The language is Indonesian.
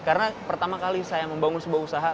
karena pertama kali saya membangun sebuah usaha